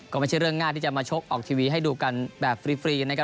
ก็ไม่ใช่เรื่องง่ายที่จะมาชกออกทีวีให้ดูกันแบบฟรีนะครับ